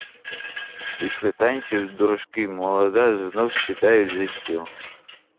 Після танців дружки й молода знов сідають за стіл.